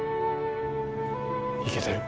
いけてる。